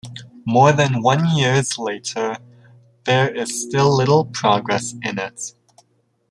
More than one years later, there is still little progress in it.